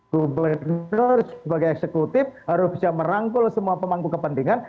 gubernur sebagai eksekutif harus bisa merangkul semua pemangku kepentingan